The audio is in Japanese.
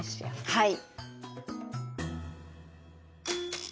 はい。